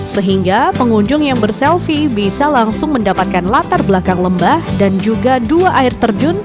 sehingga pengunjung yang berselfie bisa langsung mendapatkan latar belakang lembah dan juga dua air terjun